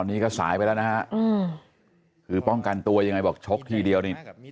อันนี้ก็สายไปแล้วนะฮะคือป้องกันตัวยังไงบอกชกทีเดียวนี่